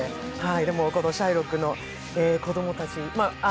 でもこの「シャイロックの子供たち」